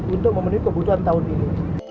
untuk memenuhi kebutuhan tahun ini